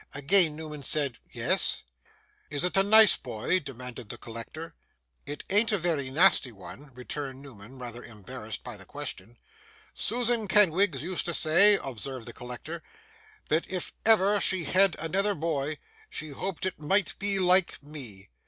Again Newman said 'Yes.' 'Is it a nice boy?' demanded the collector. 'It ain't a very nasty one,' returned Newman, rather embarrassed by the question. 'Susan Kenwigs used to say,' observed the collector, 'that if ever she had another boy, she hoped it might be like me.